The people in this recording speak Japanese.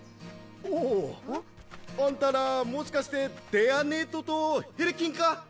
おおあんたらもしかしてディアネートとヘレキンか？